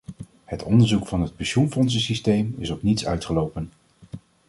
Het onderzoek van het pensioenfondsensysteem is op niets uitgelopen.